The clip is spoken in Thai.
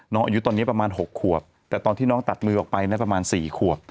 อายุตอนนี้ประมาณ๖ขวบแต่ตอนที่น้องตัดมือออกไปนะประมาณ๔ขวบ